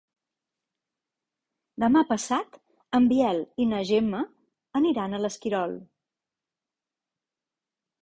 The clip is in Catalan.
Demà passat en Biel i na Gemma aniran a l'Esquirol.